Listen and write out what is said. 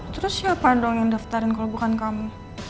terus siapa dong yang daftarin kalau bukan kamu